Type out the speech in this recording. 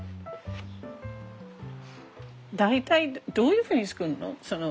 大体どういうふうに作るの？